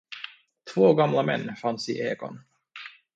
Två gamla män fanns i ekan.